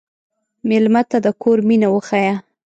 مېلمه ته د کور مینه وښیه.